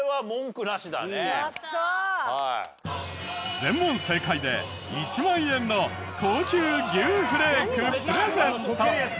全問正解で１万円の高級牛フレークプレゼント！